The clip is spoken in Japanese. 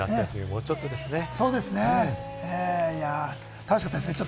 楽しかったですね。